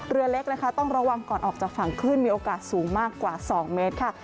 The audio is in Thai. เรือเล็กนะคะต้องระวังก่อนออกจากฝั่งขึ้นมีโอกาสสูงมากกว่า๒เมตรค่ะ